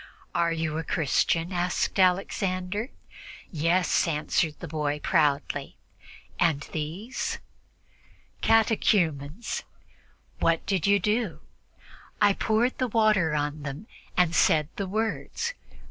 "Are you a Christian?" asked Alexander. "Yes," answered the boy proudly. "And these?" "Catechumens." "What did you do?" "I poured the water on them and said the words."